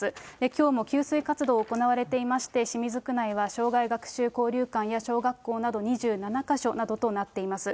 きょうも給水活動が行われていまして、清水区内は生涯学習交流館や小学校など２７か所などとなっています。